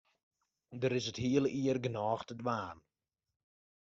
Der is it hiele jier genôch te dwaan.